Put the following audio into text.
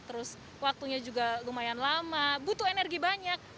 terus waktunya juga lumayan lama butuh energi banyak